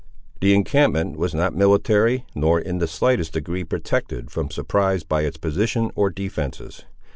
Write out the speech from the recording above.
The encampment was not military, nor in the slightest degree protected from surprise by its position or defences.